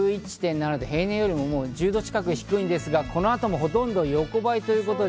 平年よりも１０度近く低いんですが、この後もほとんど横ばい。